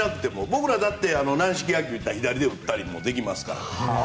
僕らは軟式野球だったら左で打ったりもできますから。